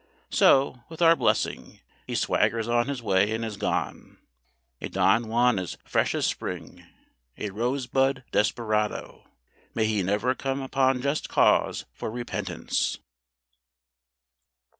So, with our blessing, he swaggers on his way and is gone. A Don Juan as fresh as spring, a rosebud desperado. May he never come upon just cause for repentance!